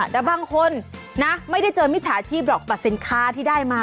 แต่บางคนนะไม่ได้เจอมิตรสาชีพหรอกเปอร์เซ็นต์ค้าที่ได้มา